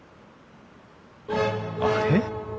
あれ？